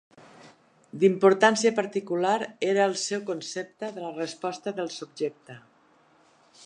D'importància particular era el seu concepte de la resposta del subjecte.